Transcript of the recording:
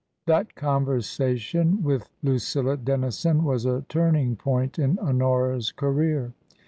That conversation with Lucilla Dennison was a turn ing point in Honora's career.